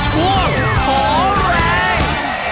ช่วงขอแรง